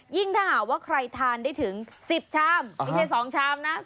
ถ้าหากว่าใครทานได้ถึง๑๐ชามไม่ใช่๒ชามนะ